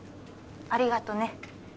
ありがとね